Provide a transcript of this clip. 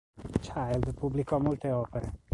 Child pubblicò molte opere.